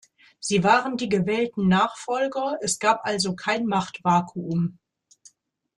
Sie waren die gewählten Nachfolger, es gab also kein Machtvakuum.